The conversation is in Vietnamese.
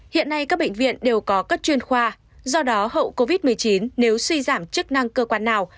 hiện nay các bệnh viện đều có các chuyên khoa do đó hậu covid một mươi chín nếu suy giảm chức năng cơ quan nào